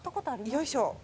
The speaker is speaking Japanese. よいしょ。